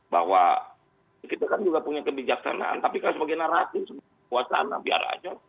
bahwa kita kan juga punya kebijaksanaan tapi kan sebagai narasi wacana biar aja